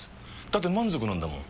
だって満足なんだもん。